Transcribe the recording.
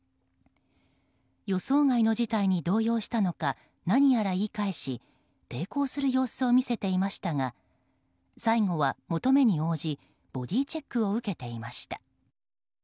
予想外の事態に動揺したのか何やら言い返し抵抗する様子を見せていましたが最後は求めに応じボディチェックを受けていました。